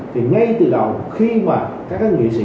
thì ngay từ đầu khi mà các nghệ sĩ